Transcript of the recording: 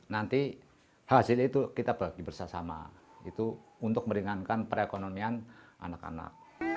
nanti hasilnya itu kita bagi bersama itu untuk meringankan perekonomian anak anak